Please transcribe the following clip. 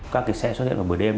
các cái xe xuất hiện vào buổi đêm